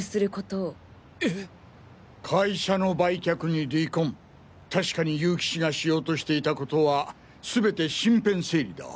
会社の売却に離婚確かに結城氏がしようとしていたことは全て身辺整理だ。